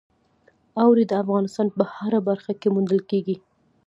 اوړي د افغانستان په هره برخه کې موندل کېږي.